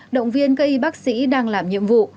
động viên cây bác sĩ đang làm nhiệm vụ